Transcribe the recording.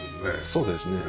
そうですね。